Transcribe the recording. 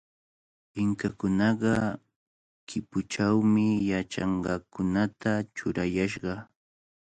Inkakunaqa kipuchawmi yachanqakunata churayashqa.